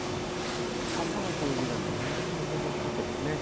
傘の表示が南に行くほどついていますね。